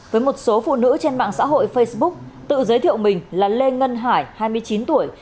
với một số phụ nữ trên mạng xã hội facebook tự giới thiệu mình là lê ngân hải hai mươi chín tuổi